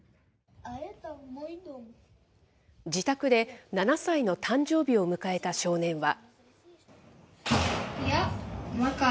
自宅で７歳の誕生日を迎えた少年は。